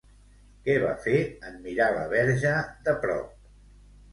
Què va fer en mirar la Verge de prop?